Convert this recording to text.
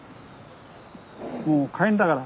もう帰んだから。